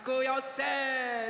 せの！